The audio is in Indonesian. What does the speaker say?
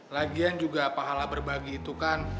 lagian juga pahala berbagi itu kan